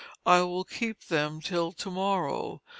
I will keep them till to morrow.